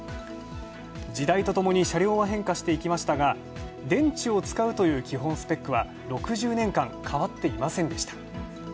時代とともに車両は変化していきましたが電池を使うという基本スペックは６０年間、変わっていませんでした。